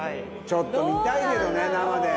ちょっと見たいけどね生で。